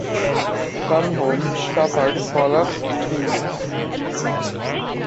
Some homes suffered collapsed chimneys.